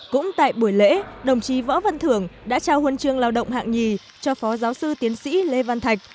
cũng tại buổi lễ đồng chí võ văn thưởng đã trao huân chương lao động hạng nhì cho phó giáo sư tiến sĩ lê văn thạch